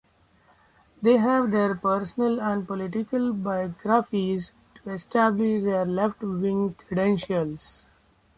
They gave their personal and political biographies to establish their left-wing credentials.